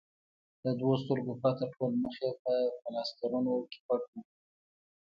له دوو سترګو پرته ټول مخ یې په پلاسټرونو کې پټ و.